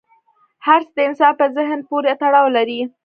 هر څه د انسان په ذهن پورې تړاو لري.